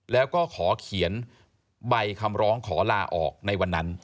แล้วก็ขอเขียนใบคำร้องขอลาออกในวันนั้น